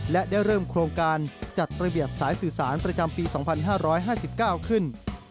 และได้เริ่มโครงการจัดระเบียบสายสื่อสารประจำปี๒๕๕๙ขึ้น